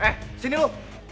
eh sini lu